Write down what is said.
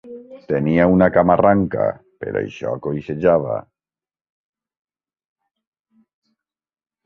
Tenia una cama ranca: per això coixejava.